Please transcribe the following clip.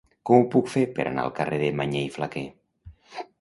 Com ho puc fer per anar al carrer de Mañé i Flaquer?